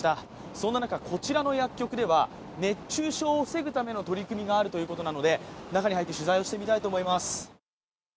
そんな中、こちらの薬局では熱中症を防ぐための取り組みがあるということなので中に入って取材をしてみたいと思います。